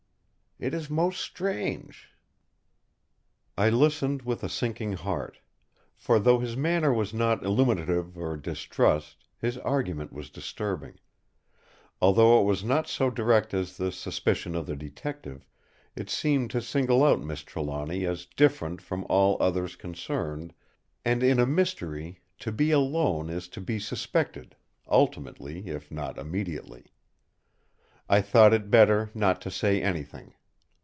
It is most strange!" I listened with a sinking heart; for, though his manner was not illuminative of distrust, his argument was disturbing. Although it was not so direct as the suspicion of the Detective, it seemed to single out Miss Trelawny as different from all others concerned; and in a mystery to be alone is to be suspected, ultimately if not immediately. I thought it better not to say anything.